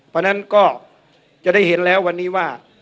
เพราะฉะนั้นก็จะได้เห็นแล้ววันนี้ว่า